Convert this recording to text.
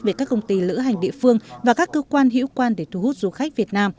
về các công ty lữ hành địa phương và các cơ quan hữu quan để thu hút du khách việt nam